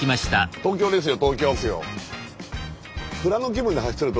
東京ですよ。